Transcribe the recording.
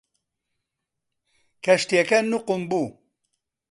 کەشتیەکە نوقم بوو.